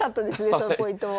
そのポイントも。